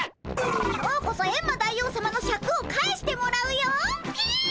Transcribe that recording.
今日こそエンマ大王さまのシャクを返してもらうよっ！